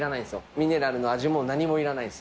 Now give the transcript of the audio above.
ミネラルの味も、何もいらないです。